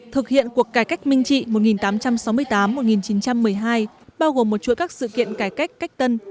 thực hiện cuộc cải cách minh trị một nghìn tám trăm sáu mươi tám một nghìn chín trăm một mươi hai bao gồm một chuỗi các sự kiện cải cách cách tân